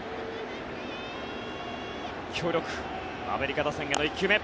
強力アメリカ打線への１球目。